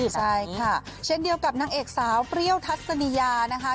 ใช่ค่ะเช่นเดียวกับนางเอกสาวเปรี้ยวทัศนียานะคะ